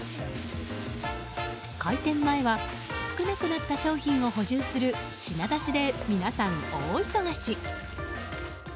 開店前は少なくなった商品を補充する品出しで、皆さん大忙し。